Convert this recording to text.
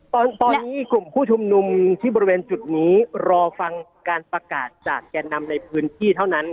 ตอนนี้กลุ่มผู้ชุมนุมที่บริเวณจุดนี้รอฟังการประกาศจากแก่นำในพื้นที่เท่านั้น